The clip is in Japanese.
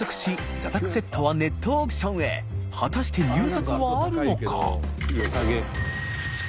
座卓セットはネットオークションへ祺未燭靴入札はあるのか？